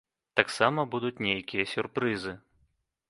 Таксама будуць нейкія сюрпрызы.